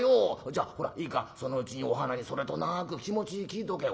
じゃあほらいいかそのうちにお花にそれとなく気持ち聞いとけ。